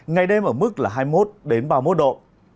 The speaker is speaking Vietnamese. ngày đêm ở mức là hai mươi một ba mươi một độ